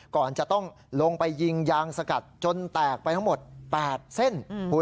ก่อนจะต้องลงไปยิงยางสกัดจนแตกไปทั้งหมด๘เส้น